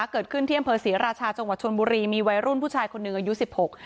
เกิดขึ้นที่อำเภอศรีราชาจังหวัดชนบุรีมีวัยรุ่นผู้ชายคนหนึ่งอายุสิบหก